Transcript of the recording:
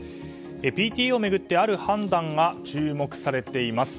ＰＴＡを巡ってある判断が注目されています。